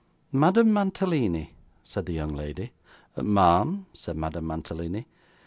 'Madame Mantalini,' said the young lady. 'Ma'am,' said Madame Mantalini.